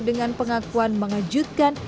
dengan pengakuan mengejutkan